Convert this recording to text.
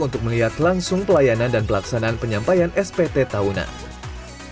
untuk melihat langsung pelayanan dan pelaksanaan penyampaian spt tahunan